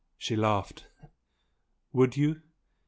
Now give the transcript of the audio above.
She laughed. "Would you?